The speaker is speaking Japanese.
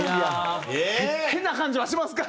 変な感じはしますか？